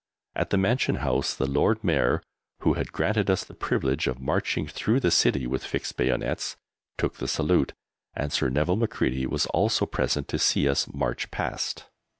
At the Mansion House the Lord Mayor (who had granted us the privilege of marching through the City with fixed bayonets) took the salute, and Sir Nevil Macready was also present to see us march past.